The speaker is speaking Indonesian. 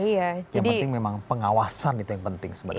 yang penting memang pengawasan itu yang penting sebenarnya